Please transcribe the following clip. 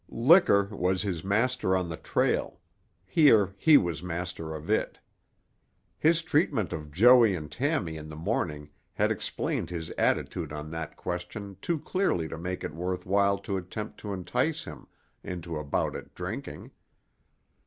Liquor was his master on the trail; here he was master of it. His treatment of Joey and Tammy in the morning had explained his attitude on that question too clearly to make it worth while to attempt to entice him into a bout at drinking.